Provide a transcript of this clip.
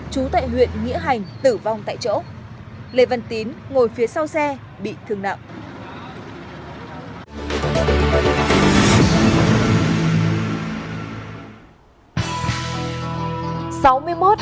chú tại huyện nghĩa hành tử vong tại chỗ lê văn tín ngồi phía sau xe bị thương nặng